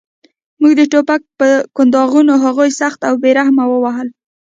موږ د ټوپک په کنداغونو هغوی سخت او بې رحمه ووهل